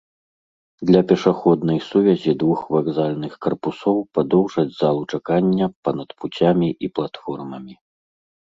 Для пешаходнай сувязі двух вакзальных карпусоў падоўжаць залу чакання па-над пуцямі і платформамі.